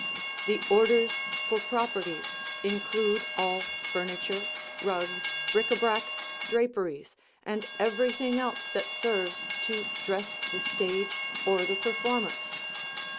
The orders for properties include all furniture, rugs, bric a brac, draperies, and everything else that serves to dress the stage or the performers.